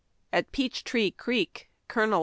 At Peach Tree Creek, Col.